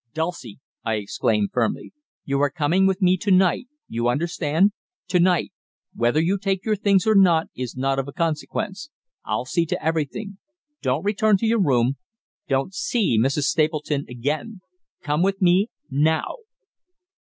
"Dulcie," I exclaimed firmly, "you are coming with me to night you understand? To night whether you take your things or not is not of consequence. I'll see to everything. Don't return to your room. Don't see Mrs. Stapleton again. Come with me now."